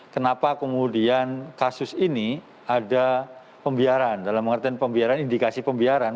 kenapa kemudian kasus ini ada pembiaran dalam pengertian pembiaran indikasi pembiaran